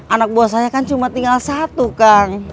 anak buah saya kan cuma tinggal satu kang